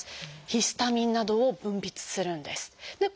「ヒスタミン」などを分泌するんです。